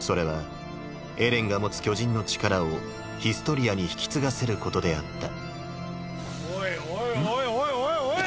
それはエレンが持つ巨人の力をヒストリアに引き継がせることであったオイオイオイオイオイオイ。